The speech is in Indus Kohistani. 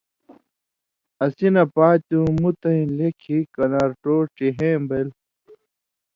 اسی نہ پاتُو مُتیں لیکھیۡ کَنارٹو ڇِہېں بَیلوۡ۔